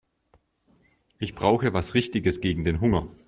Ich brauche was Richtiges gegen den Hunger.